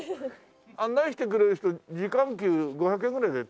案内してくれる人時間給５００円ぐらいで頼めねえかな。